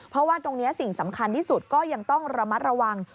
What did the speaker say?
เพราะว่าตรงนี้สิ่งสำคัญที่สุดก็ยังต้องระมัดระวัง